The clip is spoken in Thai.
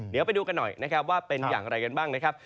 เดี๋ยวไปดูกันหน่อยนะครับว่าเป็นอย่างไรกันบ้างนะครับ